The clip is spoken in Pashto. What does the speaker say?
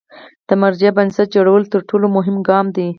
د مرجع بنسټ جوړول تر ټولو مهم ګام دی.